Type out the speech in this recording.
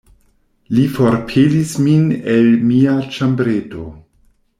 Li forpelis min el mia ĉambreto...